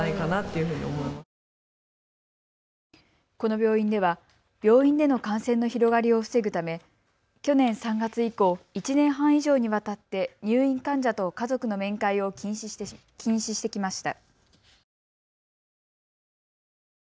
この病院では病院での感染の広がりを防ぐため去年３月以降、１年半以上にわたって入院患者と家族の面会を禁止してきました。